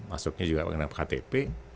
masuknya juga dengan ktp